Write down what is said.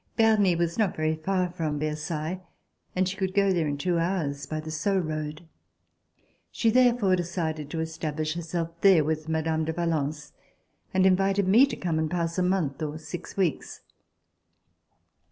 Berny was not very far from Versailles and she could go there in two hours by RECOLLECTIONS OF THE REVOLUTION the Sceaux road. She therefore decided to establish herself there with Mme. de Valence and invited me to come and pass a month or six weeks.